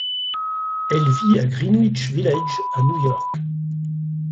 Elle vit à Greenwich Village à New York.